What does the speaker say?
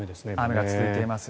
雨が続いています。